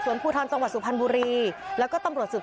สวัสดีครับ